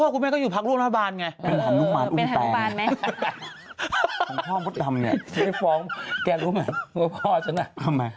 ใครรู้ไหมว่าพ่อฉัน